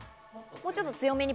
もうちょっと強めに。